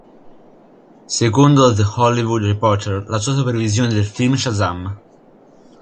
Secondo The Hollywood Reporter, la sua supervisione del film Shazam!